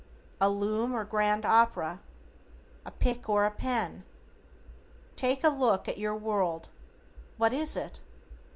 A loom or grand opera? A pick or a pen? Take a look at your world, what is it?